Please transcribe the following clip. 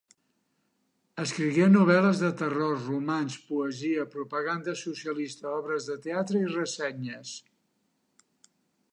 Escrigué novel·les de terror, romanç, poesia, propaganda socialista, obres de teatre i ressenyes.